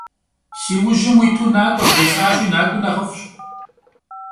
Si vujım vuitu nak'ue bjjês'aşi, nak'ui nexhıf'ş.